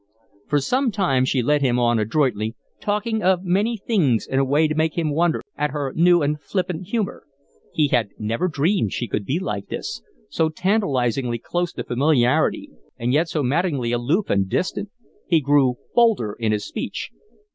For some time she led him on adroitly, talking of many things, in a way to make him wonder at her new and flippant humor. He had never dreamed she could be like this, so tantalizingly close to familiarity, and yet so maddeningly aloof and distant. He grew bolder in his speech.